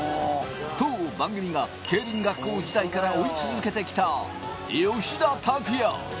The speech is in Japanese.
当番組が競輪学校時代から追い続けてきた吉田拓矢。